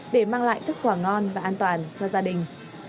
để mang lại thức quả ngon và an toàn cho gia đình